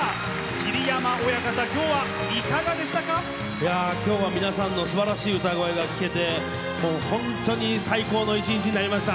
いやぁ今日は皆さんのすばらしい歌声が聴けてもうほんとに最高の一日になりました。